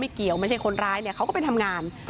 ไม่เกี่ยวไม่ใช่คนร้ายก็ไปทำงาน